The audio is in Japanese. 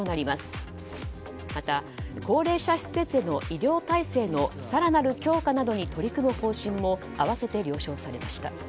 また、高齢者施設での医療体制の更なる強化などに取り組む方針も併せて了承されました。